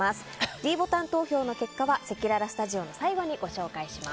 ｄボタン投票の結果はせきららスタジオの最後にご紹介します。